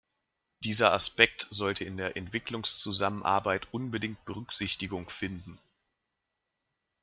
Dieser Aspekt sollte in der Entwicklungszusammenarbeit unbedingt Berücksichtigung finden.